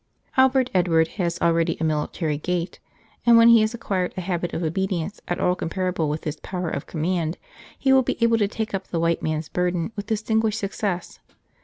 Albert Edward has already a military gait, and when he has acquired a habit of obedience at all comparable with his power of command, he will be able to take up the white man's burden with distinguished success.